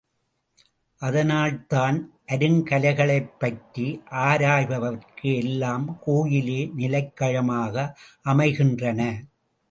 அதனால்தான் அருங்கலைகளைப் பற்றி ஆராய்பவர்க்கு எல்லாம் கோயிலே நிலைக்களமாக அமைகின்றன.